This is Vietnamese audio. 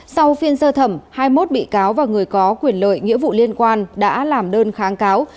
sau phiên sơ thẩm hai mươi một bị cáo và người có quyền lợi nghĩa vụ liên quan đã làm đơn kháng cáo